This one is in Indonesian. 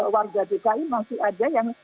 warga dki masih ada yang